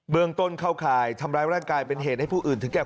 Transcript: เมืองต้นเข้าข่ายทำร้ายร่างกายเป็นเหตุให้ผู้อื่นถึงแก่